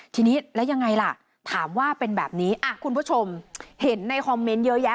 ทีนี้แล้วยังไงล่ะถามว่าเป็นแบบนี้คุณผู้ชมเห็นในคอมเมนต์เยอะแยะ